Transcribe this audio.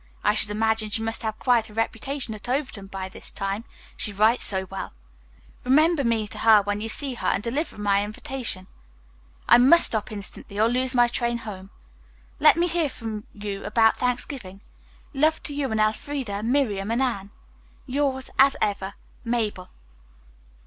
I should imagine she must have quite a reputation at Overton by this time, she writes so well. Remember me to her when you see her and deliver my invitation. "I must stop instantly or lose my train home. Let me hear from you about Thanksgiving. Love to you and Elfreda, Miriam and Anne. "Yours, as ever, "MABEL.